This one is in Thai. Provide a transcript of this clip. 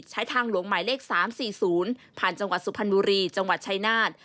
ทางหลวงหมายเลข๓๔๐ผ่านจังหวัดสุพรรณบุรีจังหวัดชายนาฏ